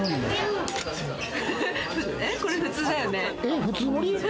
これ普通だよね？